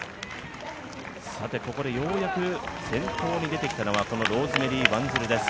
ここでようやく先頭に出てきたのがローズメリー・ワンジルです。